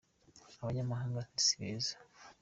abanyamahanga sibeza